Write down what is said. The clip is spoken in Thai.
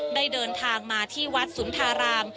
ได้เดินทางมาที่วัดสุนทาราม